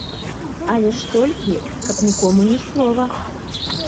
Але ж толькі, каб нікому ні слова.